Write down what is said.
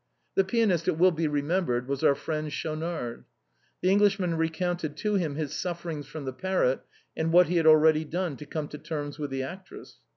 The pianist, it will be remembered, was our friend Schau nard. The Englishman recounted to him his sufferings from the parrot, and what he had already done to come to terms with the actress.